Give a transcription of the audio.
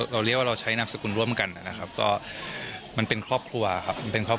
เราเรียกว่าเราใช้นามสกุลร่วมกันนะครับก็มันเป็นครอบครัวครับ